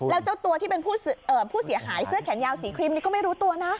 แล้วเจ้าตัวที่เป็นผู้เสียหายเสื้อแขนยาวสีครีมนี่ก็ไม่รู้ตัวนะ